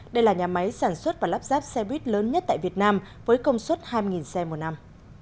đây là nhà máy sản xuất và lắp ráp xe buýt lớn nhất tại việt nam với công suất hai xe một năm